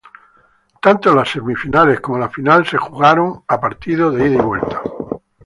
Tanto las semifinales como la final se jugaran a partidos de ida y vuelta.